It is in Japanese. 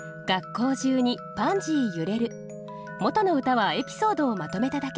元の歌はエピソードをまとめただけ。